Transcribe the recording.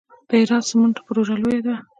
د هرات سمنټو پروژه لویه ده